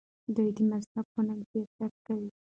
دوی د مذهب په نوم سیاست کوي.